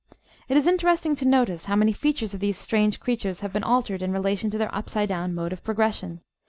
It is interesting to notice how many features of these strange creatures have been altered in relation to their upside down mode of progression.